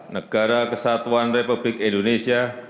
negara kesatuan republik indonesia